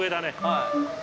はい。